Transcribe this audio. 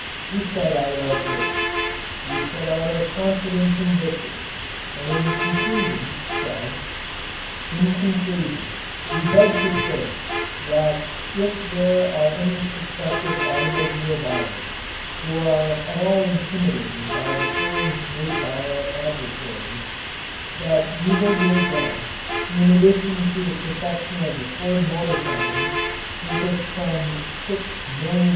We set out our case we set out our confidence in victory and in conclusion said: In conclusion we beg to state if there are any prospective automobile buyers who are at all intimidated by the claims made by our adversaries that we will give them, in addition to the protection of the Ford Motor Company with its some $6,000,000.